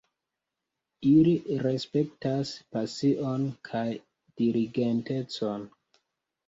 Ili respektas pasion kaj diligentecon